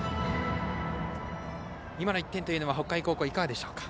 今の１点というのは北海高校いかがでしょうか。